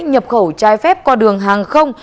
nhập khẩu trái phép qua đường hàng không